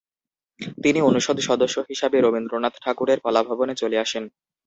তিনি অনুষদ সদস্য হিসাবে রবীন্দ্রনাথ ঠাকুরের কলাভবনে চলে আসেন।